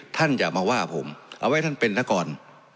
ท่านอย่ามาว่าผมเอาไว้ท่านเป็นละก่อน